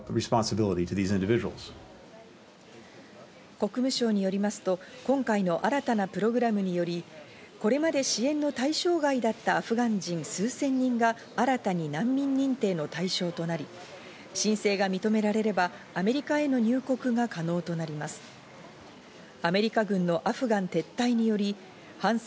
国務省によりますと、今回の新たなプログラムにより、これまで支援の対象外だったアフガン人、数千人が新たに難民認定の対象となり、申請が認められればアメリカへの入国が可能となります。